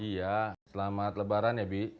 iya selamat lebaran ya bi